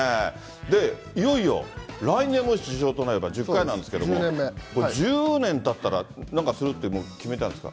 いよいよ来年もし受賞となれば１０回なんですけども、これ、１０年たったら、なんかするって決めてるんですか。